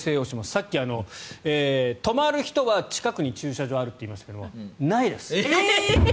さっき泊まる人は近くに駐車場があると言いましたがないです。